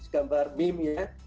gambar meme ya